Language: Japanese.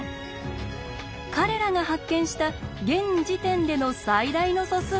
彼らが発見した現時点での最大の素数がこちら！